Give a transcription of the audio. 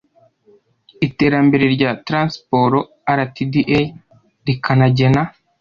iterambere rya transiporo rtda rikanagena